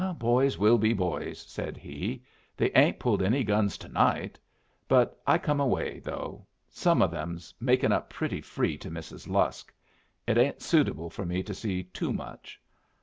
"Boys will be boys," said he. "They ain't pulled any guns to night. But I come away, though. Some of 'em's making up pretty free to Mrs. Lusk. It ain't suitable for me to see too much.